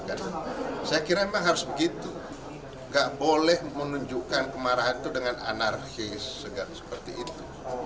saya kira memang harus begitu nggak boleh menunjukkan kemarahan itu dengan anarkis seperti itu